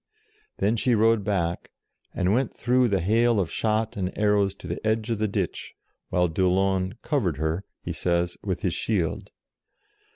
Then she rode back, and went through the hail of shot and arrows to the edge of the ditch, while d'Aulon covered her, he says, with his shield.